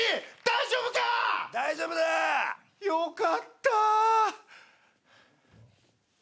大丈夫だ。よかった。